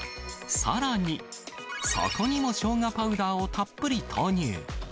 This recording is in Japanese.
さらに、そこにもショウガパウダーをたっぷり投入。